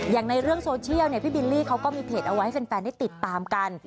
อย่างในเรื่องโซเชียลพี่บิลลี่เขาก็มีเพจเอาไว้ให้แฟนได้ติดตามกัน